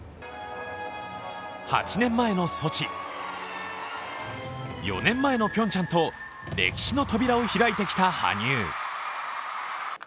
８年前のソチ４年前のピョンチャンと歴史の扉を開いてきた羽生。